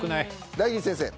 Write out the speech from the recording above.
大吉先生。